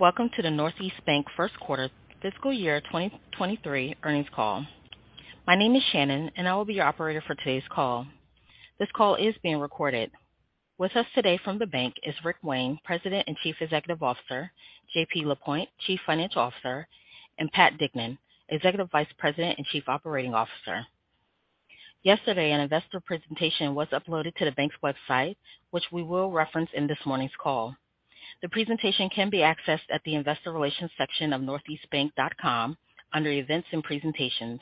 Welcome to the Northeast Bank First Quarter Fiscal Year 2023 Earnings Call. My name is Shannon, and I will be your operator for today's call. This call is being recorded. With us today from the bank is Rick Wayne, President and Chief Executive Officer, JP Lapointe, Chief Financial Officer, and Pat Dignan, Executive Vice President and Chief Operating Officer. Yesterday, an investor presentation was uploaded to the bank's website, which we will reference in this morning's call. The presentation can be accessed at the investor relations section of northeastbank.com under Events and Presentations.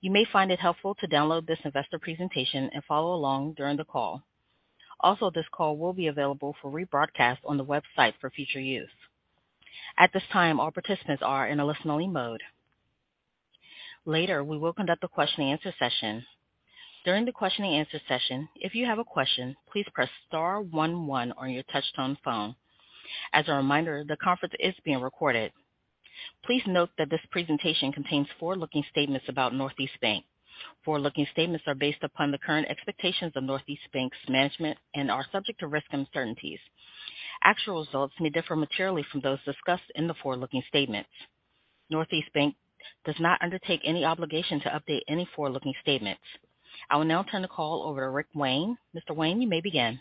You may find it helpful to download this investor presentation and follow along during the call. Also, this call will be available for rebroadcast on the website for future use. At this time, all participants are in a listen-only mode. Later, we will conduct a question and answer session. During the question and answer session, if you have a question, please press star one one on your touch-tone phone. As a reminder, the conference is being recorded. Please note that this presentation contains forward-looking statements about Northeast Bank. Forward-looking statements are based upon the current expectations of Northeast Bank's management and are subject to risks and uncertainties. Actual results may differ materially from those discussed in the forward-looking statements. Northeast Bank does not undertake any obligation to update any forward-looking statements. I will now turn the call over to Rick Wayne. Mr. Wayne, you may begin.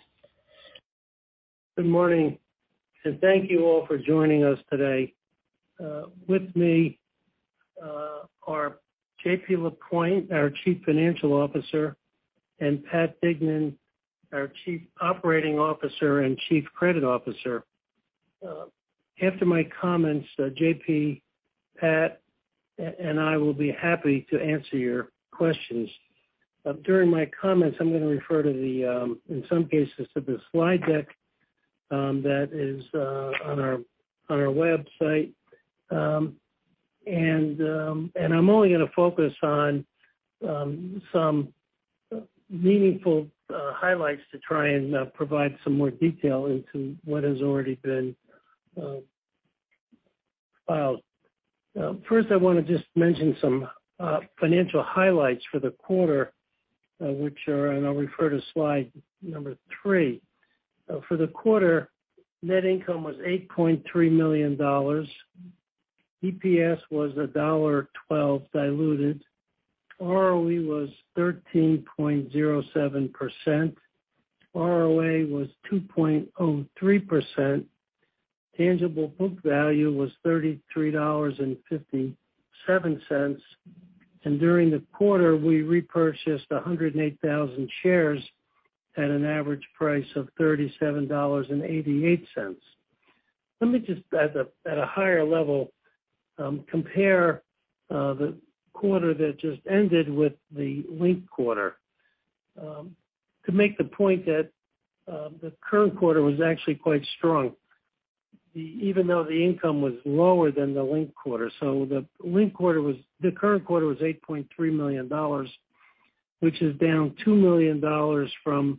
Good morning, and thank you all for joining us today. With me are JP Lapointe, our Chief Financial Officer, and Pat Dignan, our Chief Operating Officer and Chief Credit Officer. After my comments, JP, Pat, and I will be happy to answer your questions. During my comments, I'm gonna refer to the, in some cases, to the slide deck, that is on our website. I'm only gonna focus on some meaningful highlights to try and provide some more detail into what has already been filed. First, I wanna just mention some financial highlights for the quarter, which are, and I'll refer to slide number three. For the quarter, net income was $8.3 million. EPS was $1.12 diluted. ROE was 13.07%. ROA was 2.033%. Tangible book value was $33.57. During the quarter, we repurchased 108,000 shares at an average price of $37.88. Let me just at a higher level compare the quarter that just ended with the linked quarter to make the point that the current quarter was actually quite strong even though the income was lower than the linked quarter. The current quarter was $8.3 million, which is down $2 million from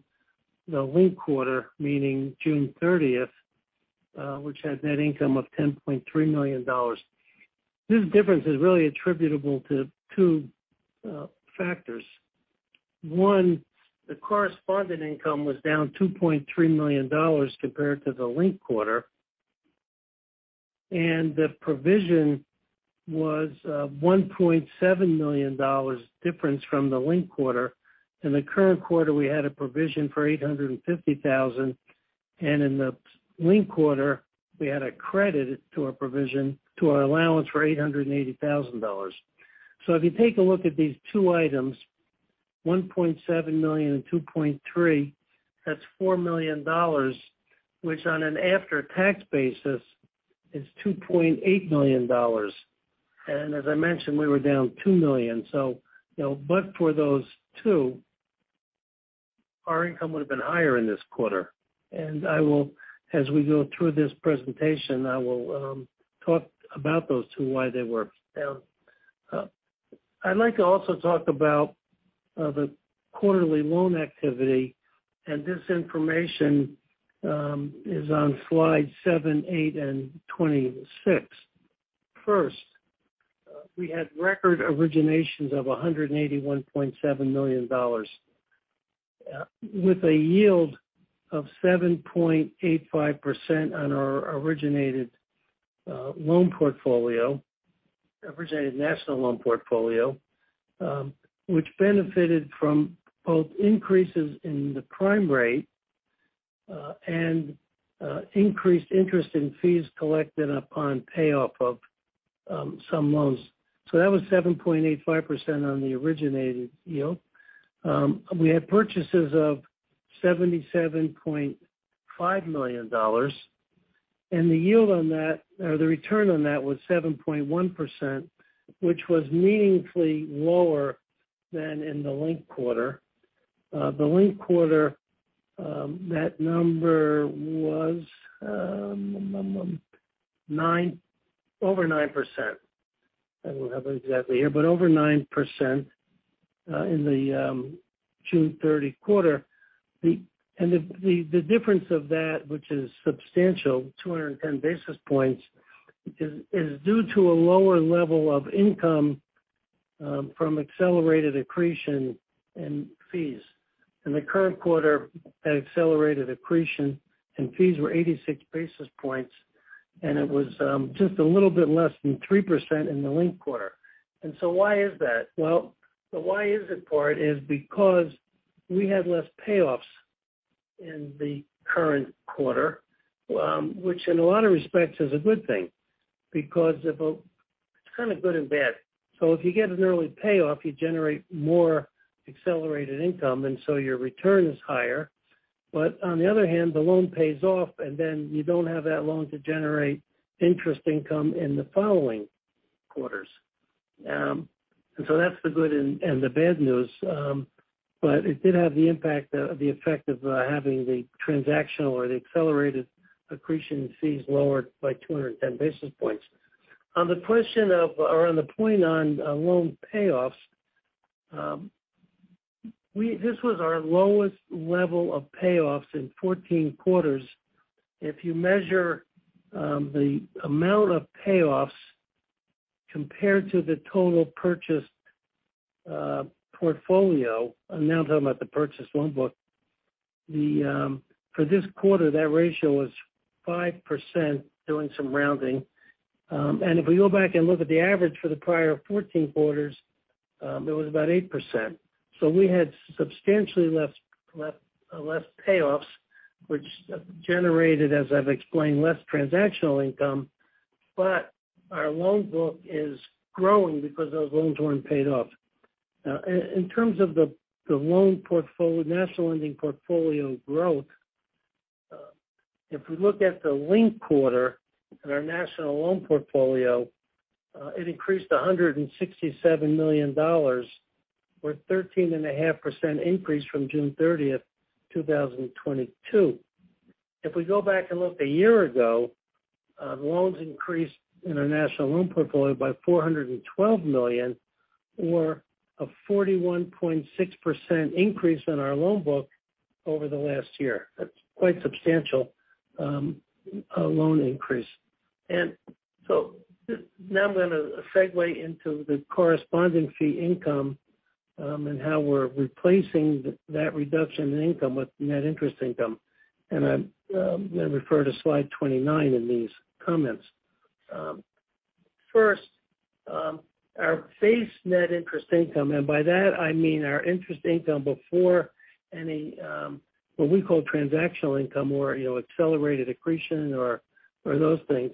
the linked quarter, meaning June 30th, which had net income of $10.3 million. This difference is really attributable to two factors. One, the correspondent income was down $2.3 million compared to the linked quarter, and the provision was $1.7 million difference from the linked quarter. In the current quarter, we had a provision for $850,000, and in the linked quarter, we had a credit to our provision, to our allowance for $880,000. If you take a look at these two items, $1.7 million and $2.3 million, that's $4 million, which on an after-tax basis is $2.8 million. As I mentioned, we were down $2 million. You know, but for those two, our income would have been higher in this quarter. As we go through this presentation, I will talk about those two, why they were down. I'd like to also talk about the quarterly loan activity, and this information is on slide seven, eight, and 26. First, we had record originations of $181.7 million with a yield of 7.85% on our originated national loan portfolio, which benefited from both increases in the prime rate and increased interest and fees collected upon payoff of some loans. That was 7.85% on the originated yield. We had purchases of $77.5 million, and the yield on that, or the return on that was 7.1%, which was meaningfully lower than in the linked quarter. The linked quarter, that number was over 9%. I don't have it exactly here, but over 9% in the June 30 quarter. The difference of that, which is substantial, 210 basis points, is due to a lower level of income from accelerated accretion and fees. In the current quarter, that accelerated accretion and fees were 86 basis points, and it was just a little bit less than 3% in the linked quarter. Why is that? Well, the why is it part is because we had less payoffs in the current quarter, which in a lot of respects is a good thing because of a, it's kinda good and bad. If you get an early payoff, you generate more accelerated income, and so your return is higher. On the other hand, the loan pays off, and then you don't have that loan to generate interest income in the following quarters. That's the good and the bad news. It did have the impact, the effect of having the transactional or the accelerated accretion fees lowered by 210 basis points. On the point on loan payoffs, this was our lowest level of payoffs in 14 quarters. If you measure the amount of payoffs compared to the total purchased portfolio, I'm now talking about the purchase loan book. For this quarter, that ratio was 5% doing some rounding. If we go back and look at the average for the prior 14 quarters, it was about 8%. We had substantially less payoffs, which generated, as I've explained, less transactional income. Our loan book is growing because those loans weren't paid off. Now in terms of the national lending portfolio growth, if we look at the linked quarter and our national loan portfolio, it increased $167 million or 13.5% increase from June 30th, 2022. If we go back and look a year ago, loans increased in our national loan portfolio by $412 million or a 41.6% increase in our loan book over the last year. That's quite substantial loan increase. Now I'm gonna segue into the correspondent fee income, and how we're replacing that reduction in income with net interest income. I'm gonna refer to slide 29 in these comments. First, our base net interest income, and by that I mean our interest income before any, what we call transactional income or, you know, accelerated accretion or those things,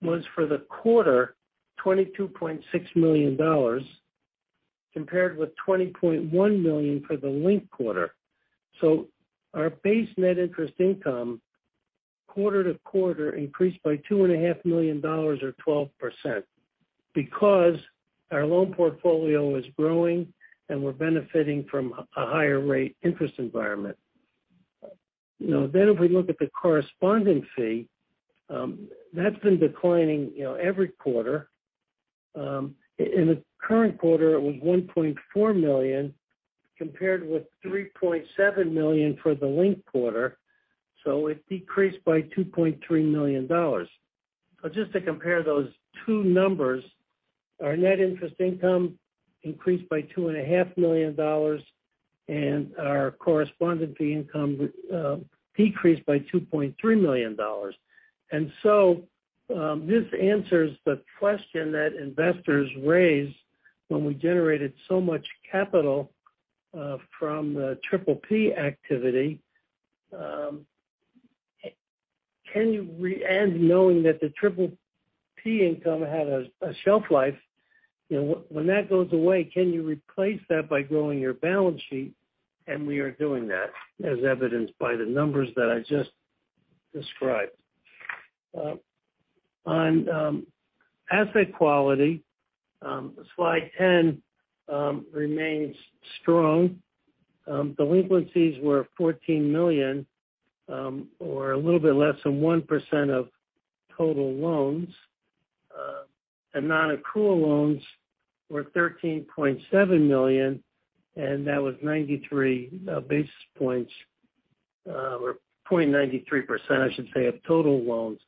was for the quarter $22.6 million, compared with $20.1 million for the linked quarter. Our base net interest income quarter to quarter increased by $2.5 million or 12% because our loan portfolio is growing and we're benefiting from a higher rate interest environment. You know, if we look at the correspondent fee, that's been declining, you know, every quarter. In the current quarter it was $1.4 million compared with $3.7 million for the linked quarter. It decreased by $2.3 million. Just to compare those two numbers, our net interest income increased by $2.5 million and our correspondent fee income decreased by $2.3 million. This answers the question that investors raised when we generated so much capital from the PPP activity. Knowing that the PPP income had a shelf life, you know, when that goes away, can you replace that by growing your balance sheet? We are doing that, as evidenced by the numbers that I just described. On asset quality, slide 10 remains strong. Delinquencies were $14 million, or a little bit less than 1% of total loans. Non-accrual loans were $13.7 million, and that was 93 basis points or 0.93% of total loans.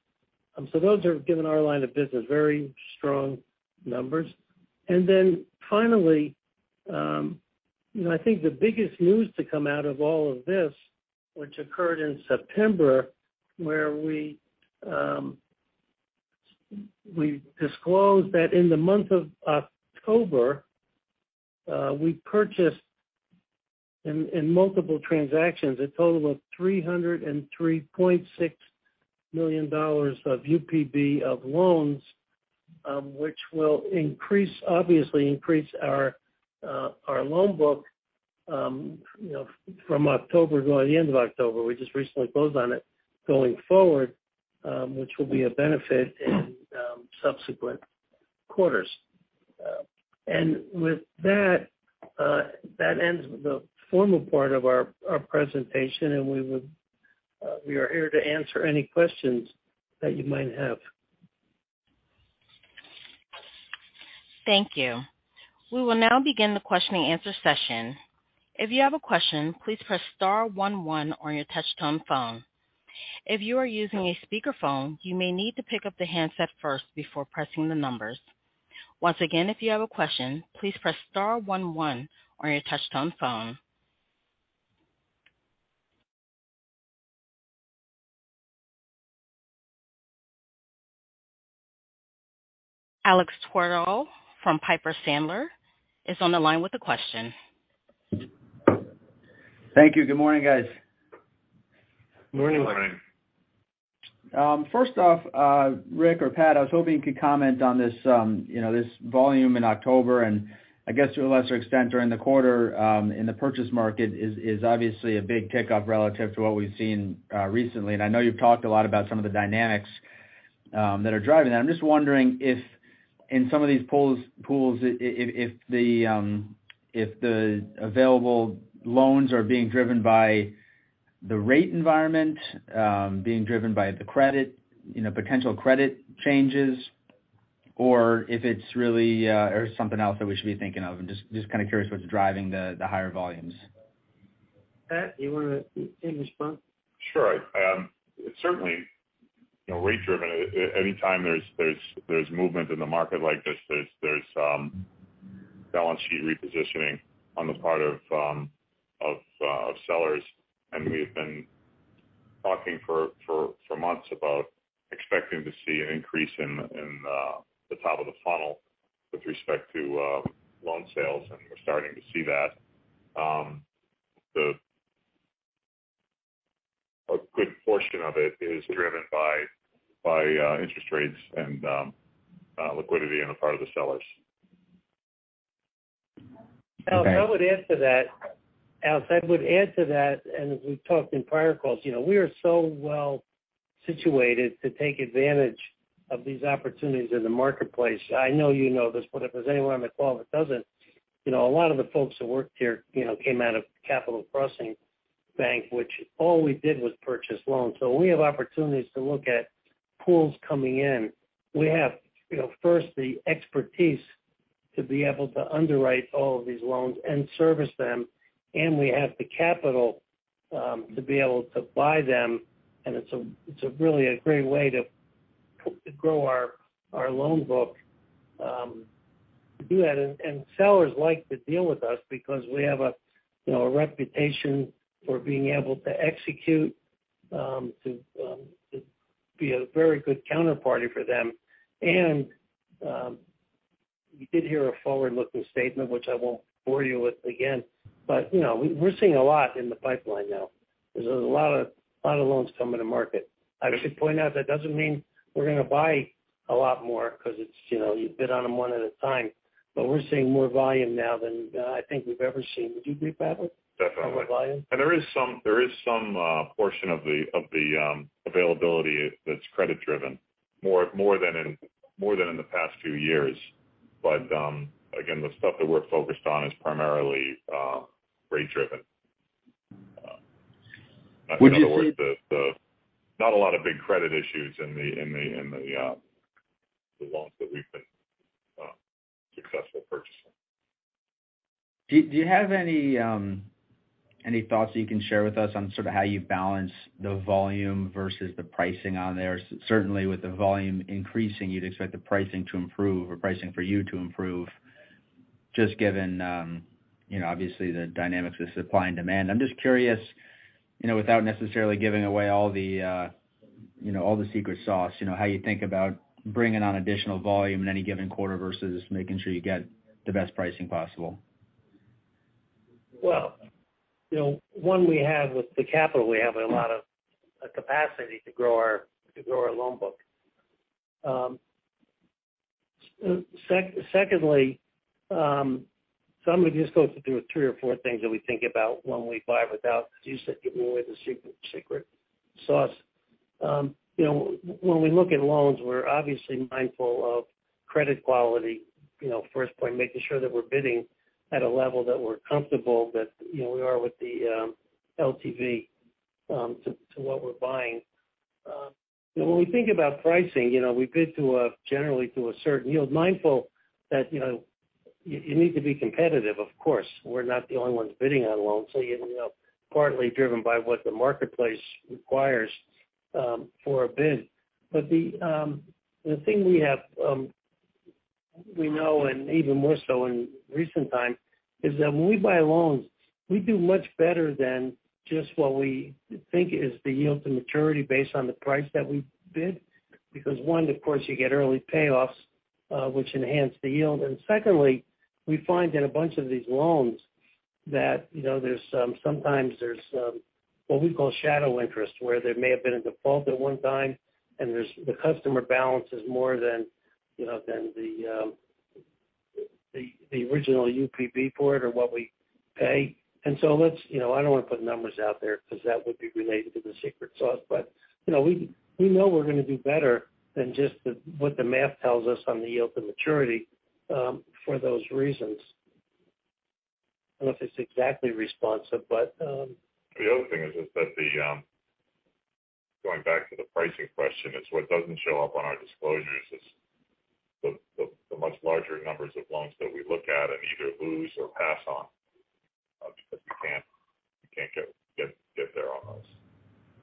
Those are, given our line of business, very strong numbers. Finally, you know, I think the biggest news to come out of all of this, which occurred in September, where we disclosed that in the month of October, we purchased in multiple transactions a total of $303.6 million of UPB of loans, which will increase obviously our loan book, you know, from October going into the end of October. We just recently closed on it going forward, which will be a benefit in subsequent quarters. With that ends the formal part of our presentation, and we are here to answer any questions that you might have. Thank you. We will now begin the question and answer session. If you have a question, please press star one one on your touchtone phone. If you are using a speakerphone, you may need to pick up the handset first before pressing the numbers. Once again, if you have a question, please press star one one on your touch-tone phone. Alex Twerdahl from Piper Sandler is on the line with a question. Thank you. Good morning, guys. Good morning. Good morning. First off, Rick or Pat, I was hoping you could comment on this, you know, this volume in October, and I guess to a lesser extent during the quarter, in the purchase market is obviously a big kick-up relative to what we've seen recently. I know you've talked a lot about some of the dynamics that are driving that. I'm just wondering if in some of these pools, if the available loans are being driven by the rate environment, being driven by the credit, you know, potential credit changes, or if it's really, or something else that we should be thinking of. I'm just kind of curious what's driving the higher volumes. Pat, you wanna respond? Sure. It's certainly, you know, rate driven. Anytime there's movement in the market like this, there's balance sheet repositioning on the part of sellers. We've been talking for months about expecting to see an increase in the top of the funnel with respect to loan sales, and we're starting to see that. A good portion of it is driven by interest rates and liquidity on the part of the sellers. Okay. Alex, I would add to that, and as we've talked in prior calls, you know, we are so well situated to take advantage of these opportunities in the marketplace. I know you know this, but if there's anyone on the call that doesn't, you know, a lot of the folks that work here, you know, came out of Capital Crossing Bank, which all we did was purchase loans. When we have opportunities to look at pools coming in, we have, you know, first the expertise to be able to underwrite all of these loans and service them, and we have the capital to be able to buy them. It's really a great way to grow our loan book to do that. Sellers like to deal with us because we have a, you know, a reputation for being able to execute, to be a very good counterparty for them. You did hear a forward-looking statement, which I won't bore you with again, but, you know, we're seeing a lot in the pipeline now. There's a lot of loans coming to market. I should point out that doesn't mean we're gonna buy a lot more because it's, you know, you bid on them one at a time. But we're seeing more volume now than, I think we've ever seen. Would you agree, Pat, with- Definitely. On the volume? There is some portion of the availability that's credit driven. More than in the past few years. Again, the stuff that we're focused on is primarily rate driven. Would you- In other words, not a lot of big credit issues in the loans that we've been successful purchasing. Do you have any thoughts you can share with us on sort of how you balance the volume versus the pricing on there? Certainly with the volume increasing, you'd expect the pricing to improve or pricing for you to improve just given, you know, obviously the dynamics with supply and demand. I'm just curious, you know, without necessarily giving away all the, you know, all the secret sauce, you know, how you think about bringing on additional volume in any given quarter versus making sure you get the best pricing possible. Well, you know, one we have with the capital, we have a lot of capacity to grow our loan book. Secondly, I'm gonna just go through three or four things that we think about when we buy without, as you said, giving away the secret sauce. You know, when we look at loans, we're obviously mindful of credit quality. You know, first point, making sure that we're bidding at a level that we're comfortable that, you know, we are with the LTV to what we're buying. You know, when we think about pricing, you know, we bid generally to a certain yield, mindful that, you know, you need to be competitive of course. We're not the only ones bidding on loans, so you're, you know, partly driven by what the marketplace requires, for a bid. The thing we have, we know and even more so in recent times is that when we buy loans, we do much better than just what we think is the yield to maturity based on the price that we bid. Because one, of course, you get early payoffs, which enhance the yield. Secondly, we find in a bunch of these loans that, you know, sometimes there's what we call shadow interest, where there may have been a default at one time and there's the customer balance is more than, you know, than the original UPB for it or what we pay. Let's, you know, I don't want to put numbers out there because that would be related to the secret sauce. But, you know, we know we're gonna do better than just the, what the math tells us on the yield to maturity, for those reasons. I don't know if it's exactly responsive, but. The other thing is that going back to the pricing question is what doesn't show up on our disclosures is the much larger numbers of loans that we look at and either lose or pass on. Because you can't get there on those.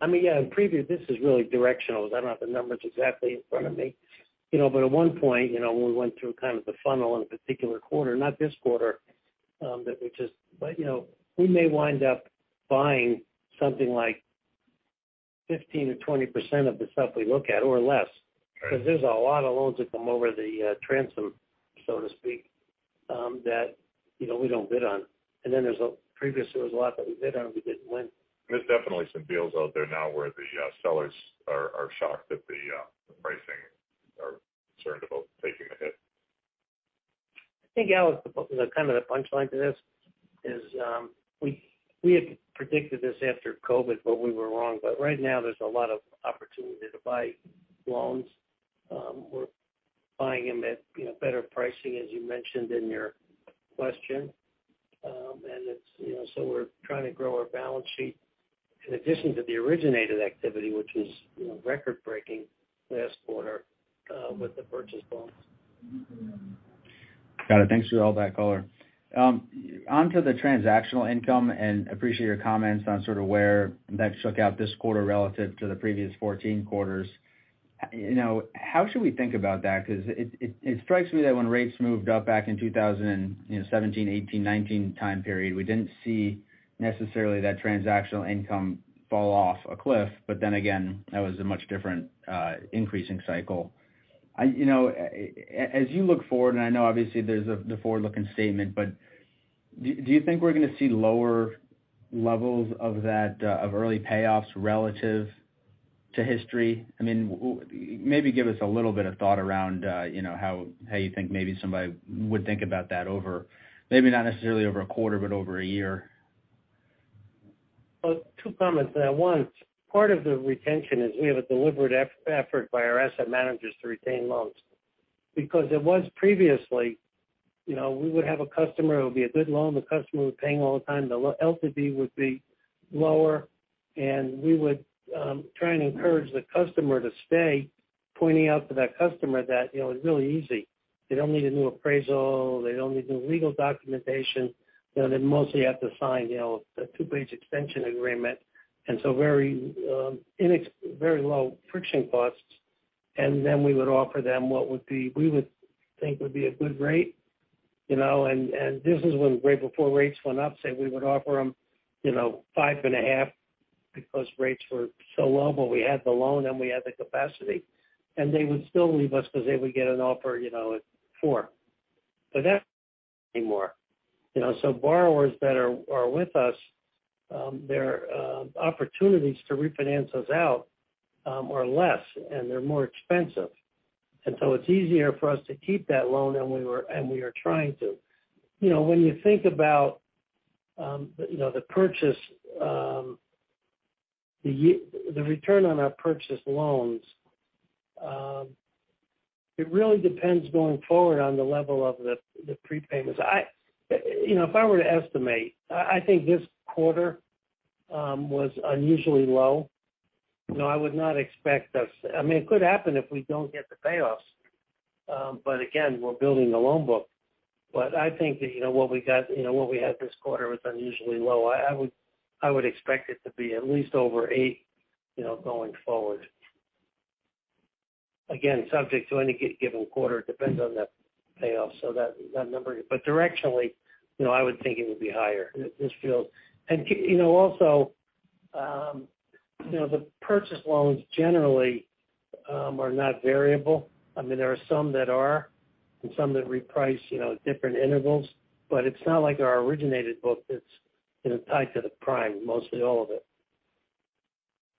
I mean, yeah, in preview, this is really directional because I don't have the numbers exactly in front of me. You know, at one point, you know, when we went through kind of the funnel in a particular quarter, not this quarter, we may wind up buying something like 15%-20% of the stuff we look at or less. Right. Because there's a lot of loans that come over the transom, so to speak, that, you know, we don't bid on. Previously, there was a lot that we bid on we didn't win. There's definitely some deals out there now where the sellers are shocked at the pricing, are concerned about taking the hit. I think, Alex, the kind of the punchline to this is, we had predicted this after COVID, but we were wrong. Right now, there's a lot of opportunity to buy loans. We're buying them at, you know, better pricing, as you mentioned in your question. It's, you know, so we're trying to grow our balance sheet in addition to the originated activity, which was, you know, record-breaking last quarter, with the purchase loans. Got it. Thanks for all that color. Onto the transactional income, and appreciate your comments on sort of where that shook out this quarter relative to the previous 14 quarters. You know, how should we think about that? Because it strikes me that when rates moved up back in 2017, 2018, 2019 time period, we didn't see necessarily that transactional income fall off a cliff. But then again, that was a much different increasing cycle. You know, as you look forward, and I know obviously there's the forward-looking statement, but do you think we're gonna see lower levels of that of early payoffs relative to history? I mean, maybe give us a little bit of thought around, you know, how you think maybe somebody would think about that over, maybe not necessarily over a quarter, but over a year. Well, two comments. One, part of the retention is we have a deliberate effort by our asset managers to retain loans. Because it was previously, you know, we would have a customer who would be a good loan. The customer was paying all the time. The LTV would be lower, and we would try and encourage the customer to stay, pointing out to that customer that, you know, it's really easy. They don't need a new appraisal. They don't need new legal documentation. You know, they mostly have to sign, you know, a two-page extension agreement. Very low friction costs. Then we would offer them what would be, we would think would be a good rate, you know. This is when way before rates went up, say we would offer them, you know, 5.5% because rates were so low, but we had the loan, and we had the capacity. They would still leave us because they would get an offer, you know, at 4%. But not anymore. You know? Borrowers that are with us, their opportunities to refinance us out are less, and they're more expensive. It's easier for us to keep that loan, and we are trying to. You know, when you think about, you know, the purchase, the return on our purchased loans, it really depends going forward on the level of the prepayments. You know, if I were to estimate, I think this quarter was unusually low. You know, I would not expect us. I mean, it could happen if we don't get the payoffs. But again, we're building the loan book. I think that, you know, what we got, you know, what we had this quarter was unusually low. I would expect it to be at least over eight, you know, going forward. Again, subject to any given quarter, it depends on the payoff. That number. Directionally, you know, I would think it would be higher this fiscal. You know, also, you know, the purchase loans generally are not variable. I mean, there are some that are and some that reprice, you know, at different intervals. It's not like our originated book that's, you know, tied to the prime, mostly all of it.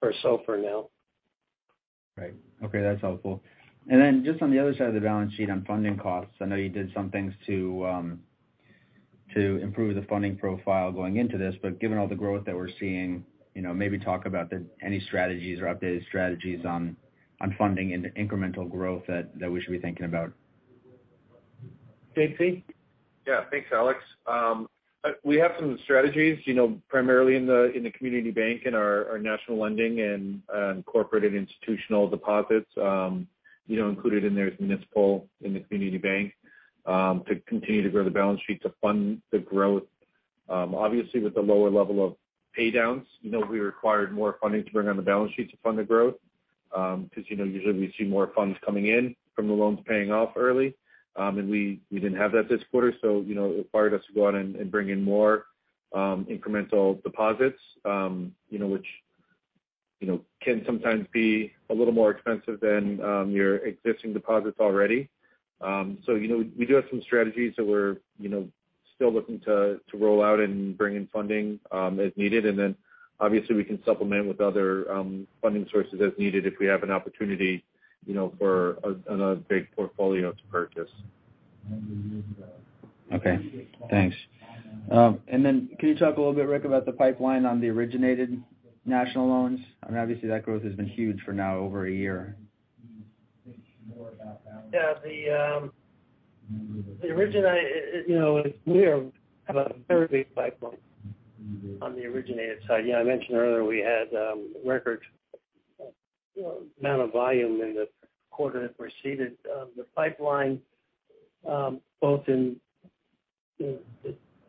Or so for now. Right. Okay, that's helpful. Then just on the other side of the balance sheet on funding costs, I know you did some things to to improve the funding profile going into this. Given all the growth that we're seeing, you know, maybe talk about the any strategies or updated strategies on on funding and the incremental growth that we should be thinking about. JP? Yeah. Thanks, Alex. We have some strategies, you know, primarily in the community bank and our national lending and corporate and institutional deposits, you know, included in their municipal in the community bank, to continue to grow the balance sheet to fund the growth. Obviously with the lower level of pay downs, you know, we required more funding to bring on the balance sheet to fund the growth. Because you know, usually we see more funds coming in from the loans paying off early. And we didn't have that this quarter, so you know, it required us to go out and bring in more incremental deposits, you know, which, you know, can sometimes be a little more expensive than your existing deposits already. You know, we do have some strategies that we're you know still looking to roll out and bring in funding as needed. Obviously we can supplement with other funding sources as needed if we have an opportunity you know for another big portfolio to purchase. Okay. Thanks. Can you talk a little bit, Rick, about the pipeline on the originated national loans? I mean, obviously that growth has been huge for now over a year. Yeah. The origination, you know, we have a very big pipeline on the origination side. Yeah, I mentioned earlier we had record amount of volume in the quarter that preceded the pipeline, both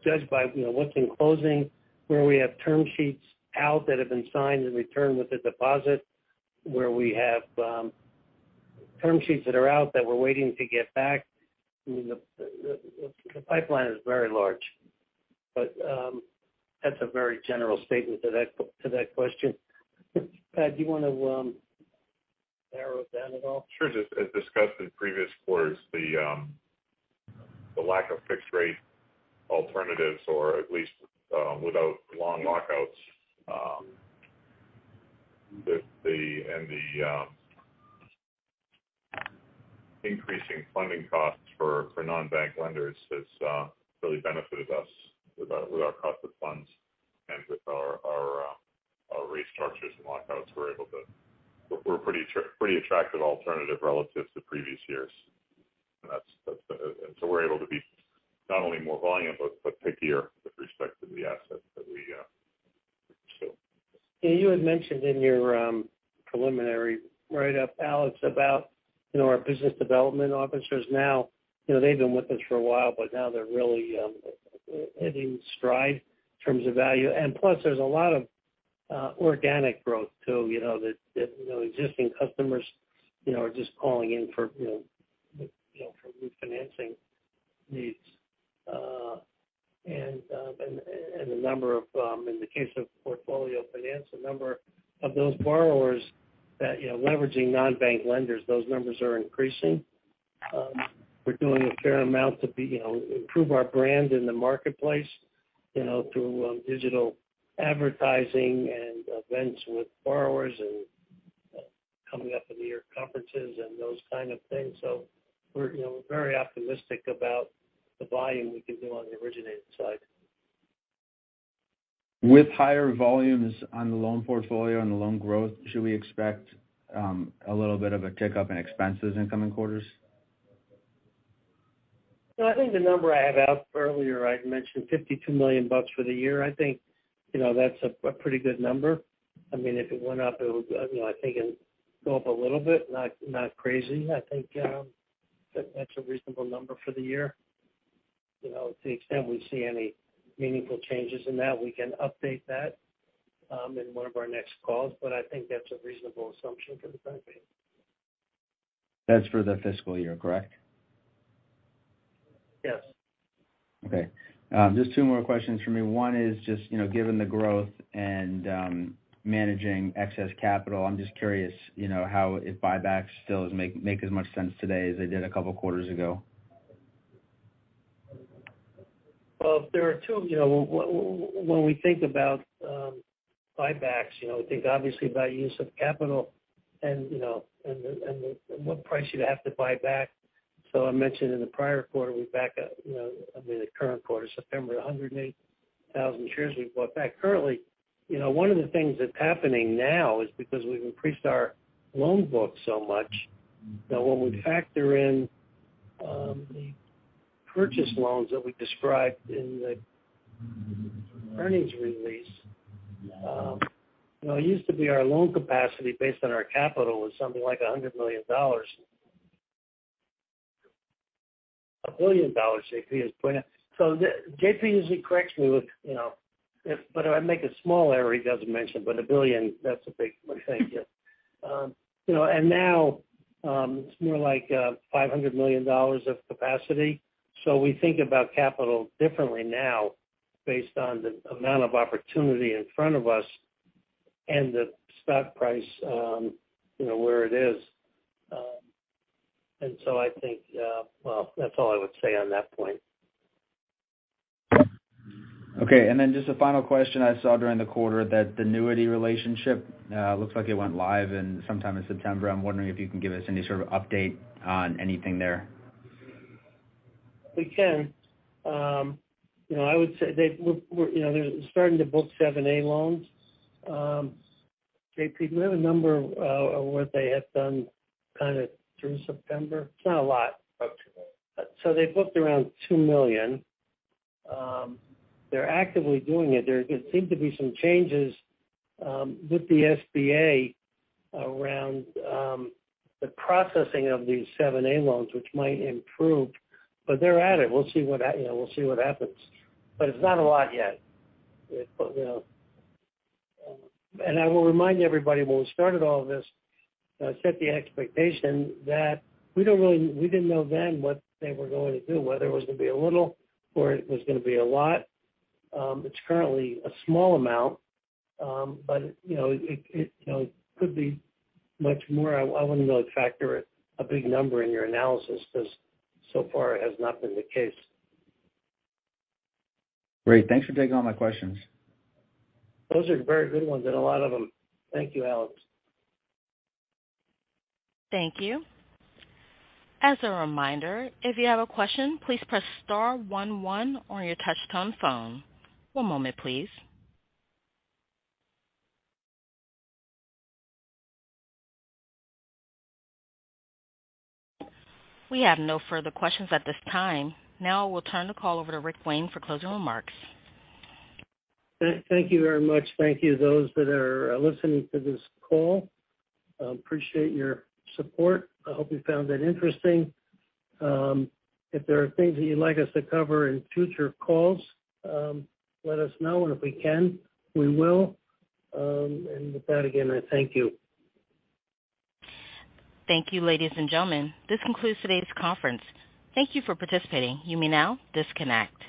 judged by, you know, what's in closing, where we have term sheets out that have been signed and returned with a deposit, where we have term sheets that are out that we're waiting to get back. I mean, the pipeline is very large. That's a very general statement to that question. Pat, do you wanna narrow it down at all? Sure. Just as discussed in previous quarters, the lack of fixed rate alternatives or at least without long lockouts, and the increasing funding costs for non-bank lenders has really benefited us with our cost of funds and with our restructures and lockouts. We're a pretty attractive alternative relative to previous years. That's. We're able to be not only more volume, but pickier with respect to the assets that we pursue. Yeah. You had mentioned in your preliminary write-up, Alex, about you know, our business development officers now. You know, they've been with us for a while, but now they're really hitting stride in terms of value. Plus, there's a lot of organic growth too, you know, that you know, existing customers, you know, are just calling in for you know, for refinancing needs. And a number of in the case of Portfolio Finance, a number of those borrowers that you know leveraging non-bank lenders, those numbers are increasing. We're doing a fair amount you know improve our brand in the marketplace, you know, through digital advertising and events with borrowers and coming up in the year conferences and those kind of things. We're, you know, very optimistic about the volume we can do on the originating side. With higher volumes on the loan portfolio and the loan growth, should we expect a little bit of a tick up in expenses in coming quarters? No, I think the number I had out earlier, I'd mentioned $52 million for the year. I think, you know, that's a pretty good number. I mean, if it went up, it would, you know, I think it go up a little bit, not crazy. I think, that's a reasonable number for the year. You know, to the extent we see any meaningful changes in that, we can update that, in one of our next calls. I think that's a reasonable assumption for the time being. That's for the fiscal year, correct? Yes. Okay. Just two more questions for me. One is just, you know, given the growth and, managing excess capital, I'm just curious, you know, how if buybacks still make as much sense today as they did a couple quarters ago. Well, there are two. You know, when we think about buybacks, you know, we think obviously about use of capital and, you know, and the what price you'd have to buy back. I mentioned in the prior quarter, we've bought back, you know, I mean, the current quarter, September, 108,000 shares we've bought back currently. You know, one of the things that's happening now is because we've increased our loan book so much that when we factor in the purchase loans that we described in the earnings release, you know, it used to be our loan capacity based on our capital was something like $100 million. A billion dollars, JP is pointing out. JP usually corrects me with, you know, but if I make a small error, he doesn't mention. But a billion, that's a big one. Thank you. You know, now it's more like $500 million of capacity. We think about capital differently now based on the amount of opportunity in front of us and the stock price, you know, where it is. I think. Well, that's all I would say on that point. Okay. Just a final question. I saw during the quarter that the Newity relationship looks like it went live in sometime in September. I'm wondering if you can give us any sort of update on anything there. We can. You know, I would say they're starting to book 7(a) loans. JP, do we have a number on what they have done kinda through September? It's not a lot. About $2 million. They've booked around $2 million. They're actively doing it. There seem to be some changes with the SBA around the processing of these 7(a) loans, which might improve. They're at it. We'll see what happens. It's not a lot yet. You know. I will remind everybody when we started all of this, set the expectation that we didn't know then what they were going to do, whether it was gonna be a little or it was gonna be a lot. It's currently a small amount, but you know it could be much more. I wouldn't really factor it a big number in your analysis because so far it has not been the case. Great. Thanks for taking all my questions. Those are very good ones and a lot of them. Thank you, Alex. Thank you. As a reminder, if you have a question, please press star one one on your touchtone phone. One moment, please. We have no further questions at this time. Now we'll turn the call over to Rick Wayne for closing remarks. Thank you very much. Thank you those that are listening to this call. Appreciate your support. I hope you found it interesting. If there are things that you'd like us to cover in future calls, let us know, and if we can, we will. With that, again, I thank you. Thank you, ladies and gentlemen. This concludes today's conference. Thank you for participating. You may now disconnect.